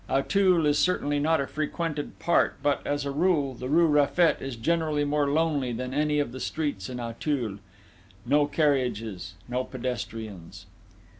Auteuil is certainly not a frequented part, but, as a rule, the rue Raffet is generally more lonely than any of the streets in Auteuil: no carriages, no pedestrians.